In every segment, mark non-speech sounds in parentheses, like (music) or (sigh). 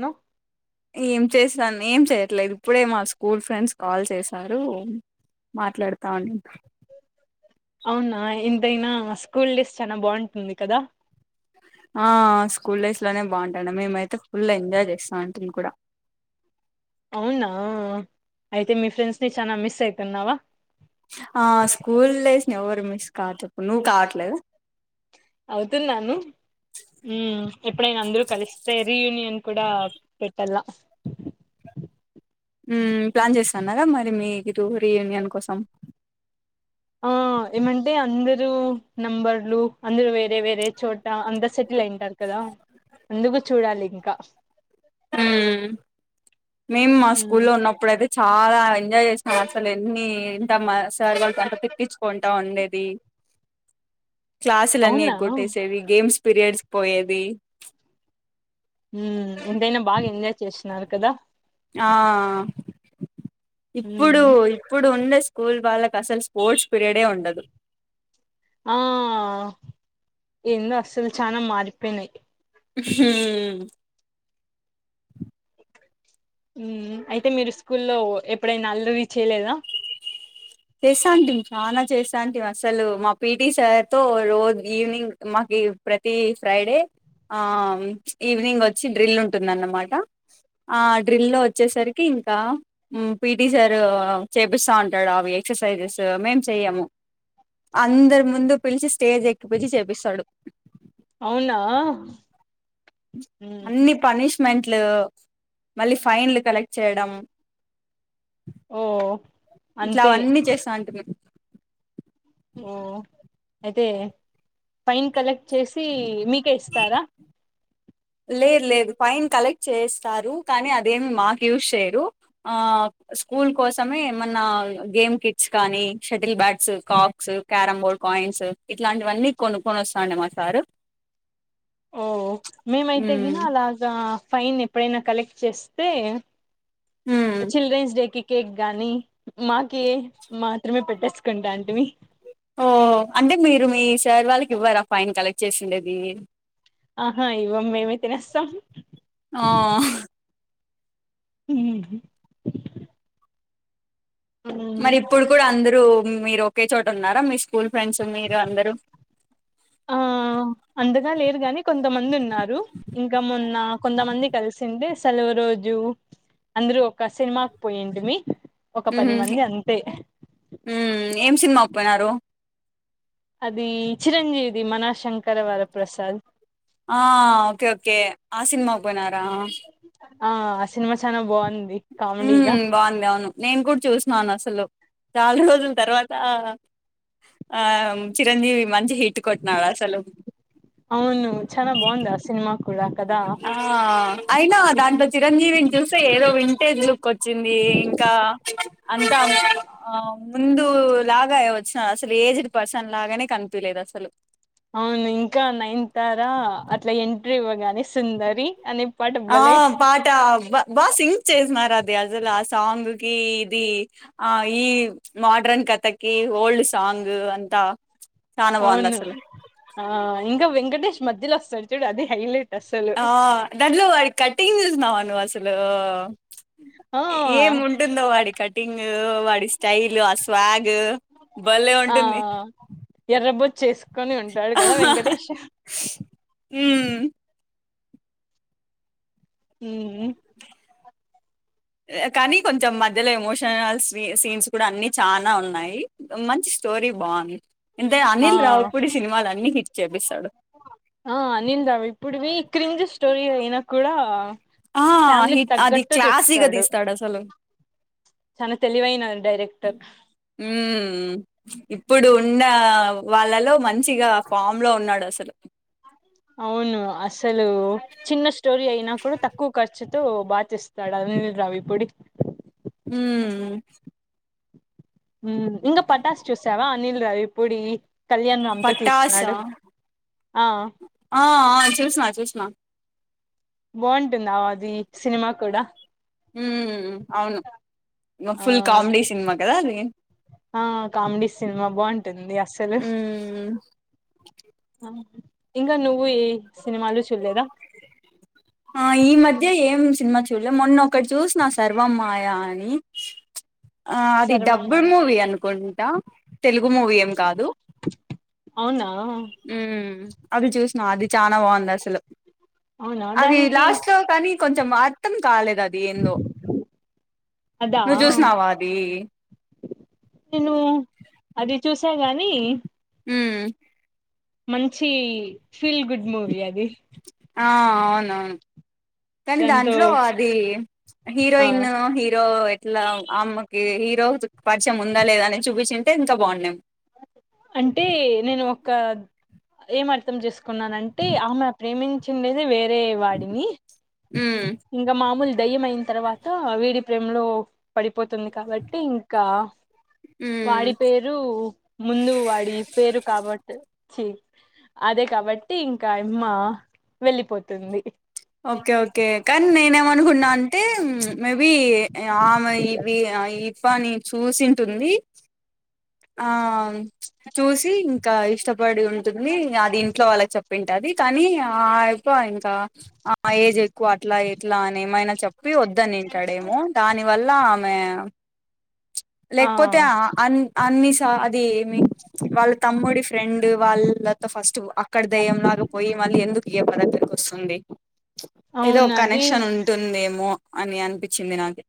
ను ఏం చేసిరాని, ఏం చేయట్లేదు ఇప్పుడే మా స్కూల్ ఫ్రెండ్స్ కాల్ చేశారు, మాట్లాడుతాఉన్న. అవునా, ఎంతైనా స్కూల్ డేస్ చానా బావుంటుంది కదా? ఆ, స్కూల్ డేస్ లోనే బాగుంటది, మేమైతే ఫుల్ ఎంజాయ్ చేస్నాం అంటు కూడా. అవునా? అయితే మీ ఫ్రెండ్స్ ని చానా మిస్ అయితున్నావ? ఆ స్కూల్ డేస్ని ఎవరు మిస్ కారు చెప్పు? నువ్వు కావట్లేద? అవుతున్నాను, ఉమ్ ఎప్పుడైనా అందరూ కలిస్తే రీయూనియన్ కూడా పెట్టాల. ఉమ్, ప్లాన్ చేస్తాన్నార మరి మీ ఇటు రీయూనియన్ కోసం? ఆ, ఏమంటే అందర్ రూ నంబర్లు అందరు వేరే వేరే చోట అందరు సెటిల్ అయింటారు కదా, అందుకు చూడాలి. ఇంకా? ఉమ్, మేము మా మ్మ్ స్కూల్ లో ఉన్నప్పుడయితే చాలా ఎన్ ఎంజాయ్ చేస్నామసల్, ఎన్ని? త మా సార్ వాళ్ళతో అంత తిట్టించుకుంటా ఉండేది. క్లాసులన్నీ అవునా ఎగ్గొట్టేసేది, గేమ్స్ పిరియాడ్స్ పోయేది. ఉమ్, ఎంతైనా బాగ ఎన్ ఎంజాయ్ చేసినారు కదా. ఆ ఇప్పుడు మ్మ్ ఇప్పుడు ఉండే స్కూల్ వాళ్ళకు అసలు స్పోర్ట్స్ పిరియడే ఉండదు ఆ ఏందుో అసలు చనా మారిపోయినాయి హుమ్ అయితే మీరు స్కూల్లో ఎప్పుడైనా అల్లరీ చేయలేదా చేస్తా అంట చాలా చేస్తా అంటే అసలు మా పిటీ సార్తో రోజు ఈవినింగ్ మాకి ప్రతి ఫ్రైడే ఈవినింగ్ వచ్చి డ్రిల్ ఉంటుందన్నమాట ఆ డ్రిల్ల్లో వచ్చేసరికి ఇంకా పిటీ సార్ చేపిస్తా ఉంటాడు అవి ఎక్సర్సైజెస్ మేము చెయ్యము అందరి ముందు పిలిచి స్టేజ్ ఎక్కిపించి చేపిస్తాడు అవునా మెంట్లు మళ్లీ ఫైన్లు కలెక్ట్ చేయడం హ ఇట్లా అవన్నీ చేస్తాంటే మ ఓ అయితే ఫైన్ కలెక్ట్ చేసి మీకే ఇస్తారా లేదు లేదు ఫైన్ కలెక్ట్ చేస్తారు కానీ అదేమి మాకు యూస్చేయరు స్కూల్ కోసమే ఏమన్నా గేమ్ కిట్స్ కానీ shuttle bats cocks carrom board coins ఇట్లాంటివన్నీ కొనుక్కొని వస్తాండే మా సారు ఓ మేమైతే గిన మ్మ్ అలాగా ఫైన్ ఎప్పుడైనా కలెక్ట్ చేస్తే మ్మ్ చిల్డ్రెన్స్ డేకి కేక్ గాని మాకి మాత్రమే పెట్టేసుుకుంటాంటిమి ఓ అంటే మీరు మీ సార్ వాళ్ళకి ఇవ్వరాా ఫైన్ కలెక్ట్ చ్చేసిండేది ఆహా ఇవమ్ మేమే తినేస్తాం ఆ ఉమ్ హు మరి ఇప్పుడు కూడా అందరూ మీరుఒకే చోట ఉన్నారా మీ స్కూల్ ఫ్రెండ్స్ మీరు అందరుూ ఆ అంతగా లేరు గాని కొంతమంది ఉన్నారు ఇంకా మొన్న కొంతమంది కలిసింటే సెలవు రోజు అందరుూ ఒక సినిమాకి పోయిన్ టిమీ ఉమ్ ఏం సినిమా అయిపోయినారు అది చిరంజీవిది మనా శంకరవర ప్ర్రసాద్ ఆ ఓకే ఓకే ఆ సినిమాకి పోయినారా ఆ ఆ సినిమా చాలా బాగుంది కామెడిీగా హ్మ్ బావుంది అవును. నేను కూడా చూసనను అసలు చాలా రోజుల తర్వాత ఆ చిరంజీవి మంచి హీ అవును చానా బాగుందా సినిమా కూడా కదా ఆ అయినా దాంటో చిరంజీవిని చూస్తే ఏదో వింటేజ్ లుక్ వచ్చింది ఇంకా అంతా ఆ ముందు లాగా వచ్చిన అసలు ఏజ్డ్ పర్సన్ లాగానే కనిపలేదు అసలు అవును ఇంకా నైన్ తారా అట్లా ఎంట్రీ ఇవ్వగానే సుందరి అని ఆ పాఠ బా బాసింగ్ చేసినారు అది అసలు ఆ సాంగ్ కి ఇది ఆ ఈ మోడ్రన్ కథకి ఓల్డ్ సాంగ్ అంతా చానా అవును బావుందసలు. ఆ ఇంకా విని వెంకటేష్ మధ్యలో వస్తడు చూడు అది హైలైట్ అస్సలు ఆ దాంట్లో కటింగ్ చూసినవ వాసి అసలు ఏం ఆ ఉంటుందో వాడి కట్ ఎడిటింగ్ వాడిస్ స్టైల్ ఆ స్వాగ్ బలే ఆ ఉంటుంది ఎర్రబొచ్చేసుకొని ఉంటాడు కదా వెంకటేష్ మ్ కానీ కొంచెం మధ్యలో ఎమోషనల్ సీన్స్ కూడా అన్ని చానా ఉన్నాయి మంచి స్టోరీ బాగుంది ఇంత ఆ అనిల్ రావుప్పుడి సినిమాాల అన్ని హిట్ చేపిస్తాడు క్ర్రింజీ స్టోరీ అయినా కూడా హా ఫ్యామిలీకి అది తగ్గట్టు క్లాసి గా తీస్తాడు అస్సల్ చాన తెలివైన డైరెక్టర్ ఉమ్ ఇప్పుడు ఉన్న వాళ్ళలో మం మంచిగా ఫామ్ లో ఉన్నాడు అసలు అవును అస అసలు చిన్న స్టోరీ అయినా కూడా తక్కువ ఖర్చు బా చేస్తాడు అనిల్ రావిపూడి మ్ ఇంకా పటాస్ చూసావా అనిల్ రావి పుడివి పట్టాస్ ఆ బాగుంటుందావ అది సినిమా అవును ఆ ఫుల్ కామెడి సినిమా కదా అది ఆ కమ్డిస్ సినిమా బాగుంటుంది అస్సల్ హ్మ్ ఇంకా నువ్ నువ్ ఏ సినిమాలు చూల్లేదా ద్య ఏం సినిమా చూడలే మొన్నొక్కటి చూసినా సర్వం మాయ అని ఆ అది డబ్బు సర్వమాయ మూవి అన్కోండి య తెలుగు మూవీ ఏం కాదు అవునా మ్ అది చూసిన అది చానా బాగుంది అసలు అవునా అది దానికి లాస్ట్ లో కానీ కొంచెం వాడ్తామ్ అదా నువ్వు చూసినావా అది నేను అది చూసా గాని ఊమ్ మంచి ఫీల్ గుడ్ మూవీ అది. ఆ అవునవును కానీ దాంతో దాంట్లో అది ఆ హీరోయిన్ హీరో ఎట్లా అమ్ ఈ హీరో పరిచయం ఉందా, లేదా అని చూపించింటే ఇంకా బాగుండేం ఏమర్థం చేసుకున్నానంటే ఆమె ప్రేమించిండేది వేరే. రే వాడిని ఉమ్ ఇంగ మామూలు దయ్యం అయిన తర్వాత వీడి ప్రేమలో పడిపోతుంది కాబట్టి ఇంకా ఉమ్ వాడి పేరు ముందు వాడి పేరు కాబట్ చి అదే కాబట్టి ఇంకా అమ్మ వెళ్ళిపోతుంది. ఓకే ఓకే కన్ నే అనుకున్నా అంటే ప్చ్ మేబి ఆమె ఇవి తప్పని చూసింటుంది. ఆ చ్ చూసి ఇంకా ఇష్ట బడి ఉంటుంది అది ఇంట్లో వాళ్ళకి చెప్పింటాది. కానీ ఆ అప్ప ఇంకా ఆ ఏజ్ ఎక్కువ అట్లా, ఎట్లా అని ఏమైనా చెప్పి వద్దని వింటాడేమో దానివల్ల ఆమె లేకపోతే ఆ అన్ అన్ని స అది ఏమి వాళ్ళ తమ్ముడి ఫ్రెండ్ వాళ్ళతో ఫస్ట్ అక్కడ దయ్యంలాగా పోయి మళ్ళీ ఎందుకు ఇ పద్దకి వస్త ఉంది చ్ ఏదో అవును ఒక అది కనెక్షన్ ఉంటుందేమో మొ అని అనిపించింది నాకు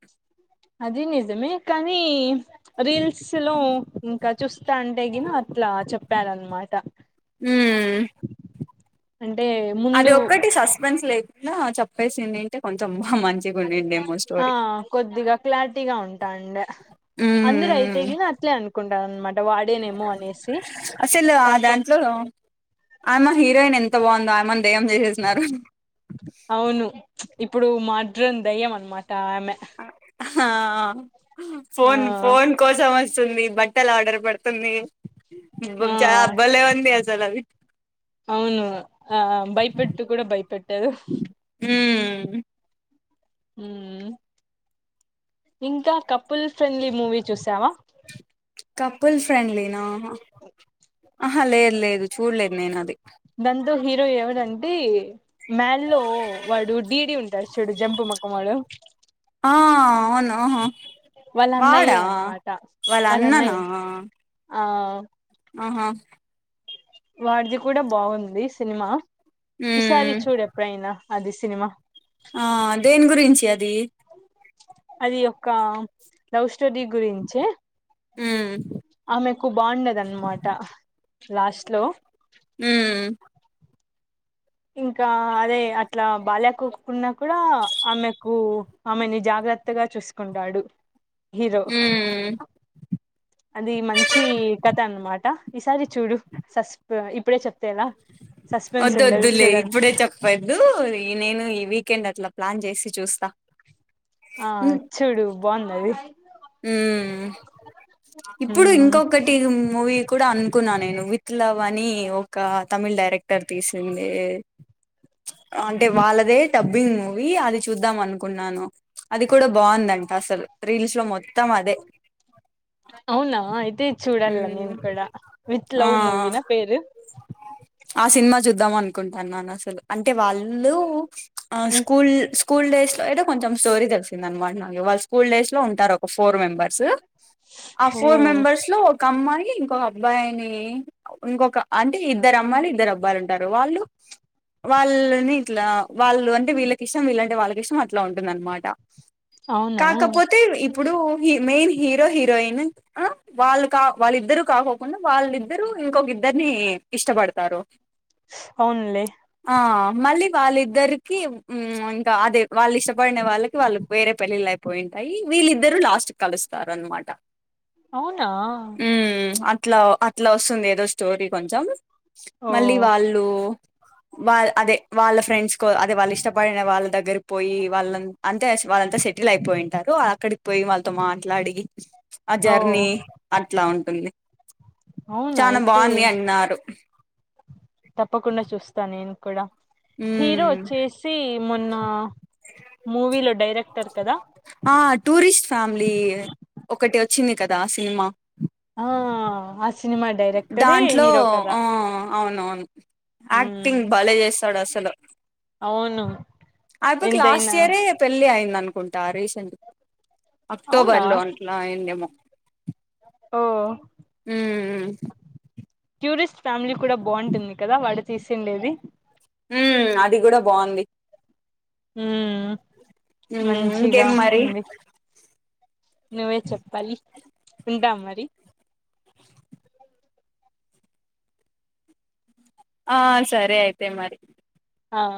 అది నిజమే కానీ రీ సలో ఇంకా చూస్తా అంటే గిన అట్లా చెప్పారనమాట. మ్మ్ అంటే ముందు అది ఒక్కటి సస్పెన్స్ లేదు. ఆ చెప్పేసింది ఏంటే కొంచెం మంచిగా ఉండిండేమో ఆ స్టోరీ కొద్దిగా క్లారిటీగా ఉంటాండ అందరు అయితే మ్మ్ గిన అట్లే అనుకుంట. (unintelligible) అసలు కాక దాంట్లో ఆమా హిరోయిన్ ఎం త బాగుందో ఆమెని దేయ్యం చేసేసినారు అవును ఇప్పుడు మాడ్రన్ దెయ్యం అన్నమాట టామె ఆ ఫోన్ ఫోన్ కోసం అస వస్తుంది బట్టలు ఆర్డర్ పెడుతుంది ఆ చా భలే ఉంది అసల్ అది అవును ఆ బయపెట్టు కూడా బయపెట్టదు మ్ మ్ ఇంకా కపుల్ ఫ్రెండ్లీ మూవీ చూసావా కపుల్ ఫ్రెండ్లీనా ఆహా లేదు లేదు చూడలేదు నేను అది దాంట్లో హీరో ఎవడంటే మ్యాడ్ ల్లో వాడు డీడీ ఉంటాడు చూడు జంబూ మొఖం ఓడు ఆ అవును వాళ్ళ అన్నయ్యే వాడా అన్నమాట వాళ్ళ అన్నయ్య ఆ ఆహా వాడిది కూడా బాగుంది సినిమా ఈసారి మ్మ్ చూడు ఎపుడైనా అది సినిమా ఆ దేని గురించి అ దీ అది ఒక్క లవ్స్ స్టొరి గురించే మ్మ్ ఆమెకు బాగుండదన్నమాట లాస్ట్ లో మ్ ఇంకా అదే అట్లా బాలేకోకున్నా కూడా ఆమెకు ఆమెని జాగ్రత్తగా చూసుకుంటాడు హీరో మ్మ్ అది మంచి కథ అనమాట ఈసారి చూడు సస్ ఇప్పుడే చెప్ ఒద్దు ఒద్దు లే ఇప్పుడే చెప్పద్దు ఈ నేను ఈ వీకెండ్ అట్లా ప్లాన్ చేసి చూస్తా ఆ చూడు బాగుంది అది మ్ ఇప్పుడు ఉమ్ ఇంకొకటి మూవీ కూడా అనుకున్నా నేను విత్ లవ్ అని ఒక తమిళ్ డైరెక్టర్ తీసింది అంటే వాళ్ళదే టడబ్బింగ్ మూవీ అది చూద్దాం అనుకున్నాను అది కూడా బాగుందంట అసలు రీల్స్ లో మొత్త అవునా ఇ చూడాల మ్మ్ నేను కూడా విత్ ఆ లవ్ మూవీ నా పేరు ఆ సినిమా చూద్దాం అనుకుంటాన్నాను అసలు అంటే వాళ్ళు ఆ ఉమ్, స్కూల్ స్కూల్ డేస్ లో అయితే కొంచెం స్టోరీ తెలిసింద అనమాట నాకు వాళ్ళు స్కూల్ డేస్ లో ఉంటారు ఒక ఫోర్ మెంబర్స్ ఆ ఓ ఫోర్ మెంబర్స్ అమ్మాకి ఇంకొక అబ్బాయిని ఇంకొక అంటే ఇద్దరు అమ్మాయిలు ఇద్దరు అబ్బాయిలు ఉంటారు వాళ్ళు వాళ్ళని ఇట్లా వాళ్ళు అంటే విళ్ళకి ఇష్టం వాళ్లంటే వాళ్ళకి ఇష్టం అట్లా ఉంటుంద అనమాట అవునా కాకపోతే ఇప్పుడు మెయిన్ హీరో హీరోయిన్ వాళ్ళు కా వాళ్ళిద్దరు కాకోకుండా వాళ్ళిద్దరు ఇంకొక ఇద్దరిని ఇష్టపడతారు అవున్లే ఆ మళ్ళీ వాళ్ళిద్దరికి ఇంకా అదే వాళ్ళు ఇష్టపడిన వాళ్ళకి వాళ్ళు వేరే పెళ్ళిళ్ళ అయిపోయింటాయి వీళ్ళిద్దరుూ లాస్ట్ కలుస్తారు అనమాట అవునా మ్మ్ అట్లా అట్లా వస్తుంది ఏదో స్టోరీ కొంచెం ఓ మళ్ళీ వాళ్ళు వాళ్ అదే వాళ్ళ ఫ్రెండ్స్ కో అదే వాళ్ళు ఇష్టపడిన వాళ్ళ దగ్గరి పోయి వాళ్ళ అంటే వాళ్ళంతా సెటిల్ అయిపోయింటారు అక్కడికి పోయి వాళ్ళతో మాట్లాడి ఆ ఓ జర్నీ అట్లా ఉంటుంది అవునా చానా అయితే బాగుంది అన్నారు తప్పకుండా చూస్తా నేను కూడా హీరో మ్మ్ వచ్చసి మొన్న మూవీలో డైరెక్టర్ కదా ఆ టూరిస్ట్ ఫ్యామిలీ ఒకటి వచ్చింది కదా సినిమా ఆ ఆ సినిమా డైరెక్టరే దాంట్లో హీరో కదా ఆ అవునవును యాక్టింగ్ మ్మ్ బాలే చేస్తాడు అసలు అవును అయిపకి లాస్ట్ ఎంతైనా ఇయరే పెళ్లి అయింది అనుకుంట డైరెక్షన్ అవునా అక్టోబర్ లో అట్లా అయిందేమో ఓ హమ్ ట్యూరిస్ట్ ఫ్యామిలీ కూడా బాగుంటుంది కదా వాడు తీసిండేది ఉమ్ అది కూడా బాగుంది హ్మ్ ఉమ్ ఇంకేమ్ మరి నువ్వే చెప్పాలి ఉంటాం మరి ఆ సరే అయితే మరి ఆహా